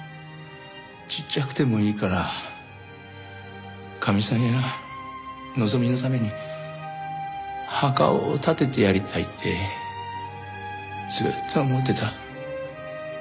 ちっちゃくてもいいからかみさんやのぞみのために墓を建ててやりたいってずっと思ってた。